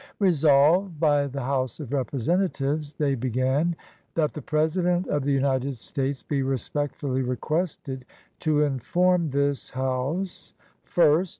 Resolved by the House of Representatives [they began], That the President of the United States be respectfully requested to inform this House — First.